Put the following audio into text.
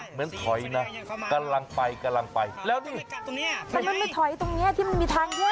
เหมือนถอยนะกำลังไปนี่